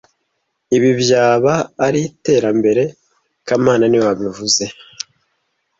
Ibi byaba ari iterambere kamana niwe wabivuze